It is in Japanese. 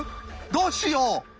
どうしよう⁉